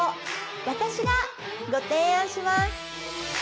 私がご提案します